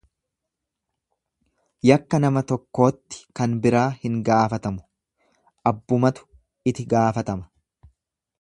Yakka nama tokkootti kan biraa hin gaafatamu, abbumatuiti gaafatama.